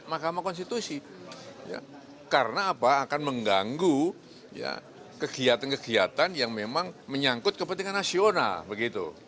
maka akan mengganggu kegiatan kegiatan yang memang menyangkut kepentingan nasional